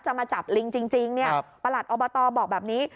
มาจับลิงจริงประหลัดอบตบอกแบบนี้